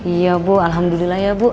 iya bu alhamdulillah ya bu